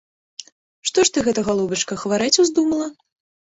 Што ж ты гэта, галубачка, хварэць уздумала?